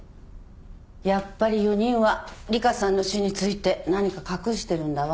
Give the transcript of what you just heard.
やっぱり４人は里香さんの死について何か隠してるんだわ。